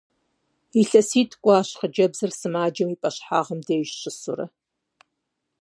ИлъэситӀ кӀуащ хъыджэбзыр сымаджэм и пӀэщхьагъым деж щысурэ.